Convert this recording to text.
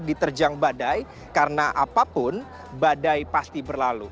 diterjang badai karena apapun badai pasti berlalu